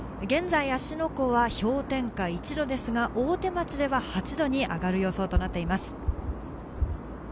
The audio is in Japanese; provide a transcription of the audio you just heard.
現在、芦ノ湖は氷点下１度ですが、大手町では８度に上がる予想となっています。